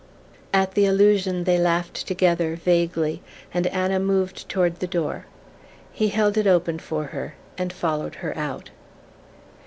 At the allusion they laughed together, vaguely, and Anna moved toward the door. He held it open for her and followed her out.